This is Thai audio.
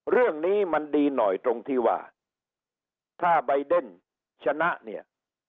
เรื่องนี้มันดีหน่อยตรงที่ว่าถ้าใบเดนชนะเนี่ย